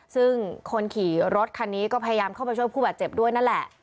ซึ่งคนขี่รถคันนี้ก็พยายามเข้าไปช่วยผู้บาดเจ็บด้วยนั่นแหละ